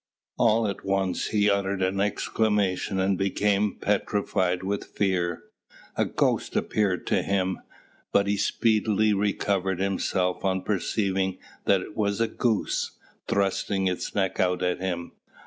All at once he uttered an exclamation and became petrified with fear. A ghost appeared to him; but he speedily recovered himself on perceiving that it was a goose, thrusting its neck out at him.